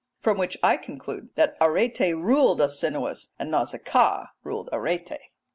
From which I conclude that Arete ruled Alcinous, and Nausicaa ruled Arete.